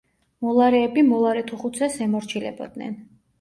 მოლარეები მოლარეთუხუცესს ემორჩილებოდნენ.